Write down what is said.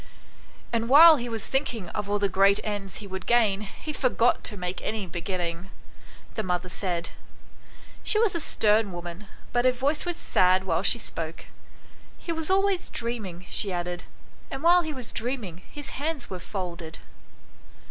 " And while he was thinking of all the great ends he would gain he forgot to make any beginning," the mother said. She was a stern woman, but her voice was sad while she spoke. " He was always dream ing," she added, " and while he was dreaming his hands were folded."